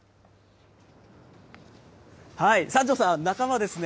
三條さん、仲間ですね。